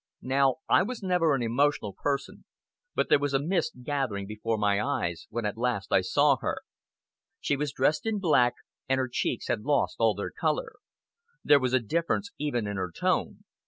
Now I was never an emotional person, but there was a mist gathering before my eyes when at last I saw her. She was dressed in black, and her cheeks had lost all their color. There was a difference even in her tone.